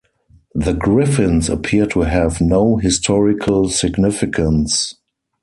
The griffins appear to have no historical significance.